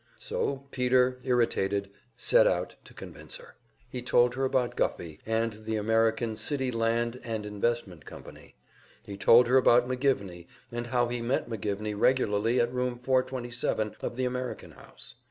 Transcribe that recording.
So Peter, irritated, set out to convince her. He told her about Guffey and the American City Land & Investment Company; he told her about McGivney, and how he met McGivney regularly at Room 427 of the American House.